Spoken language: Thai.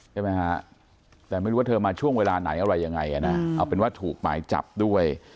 ใช่ไหมฮะแต่ไม่รู้ว่าเธอมาช่วงเวลาไหนอะไรยังไงอ่ะนะเอาเป็นว่าถูกหมายจับด้วย